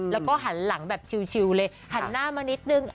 แล้วก็หันหลังแบบชิวเลยหันหน้ามานิดนึง